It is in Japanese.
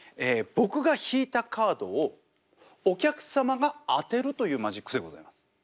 僕が引いたカードをお客様が当てるというマジックでございます。